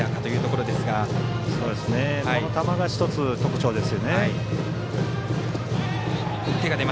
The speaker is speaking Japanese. この球が１つ特徴ですよね。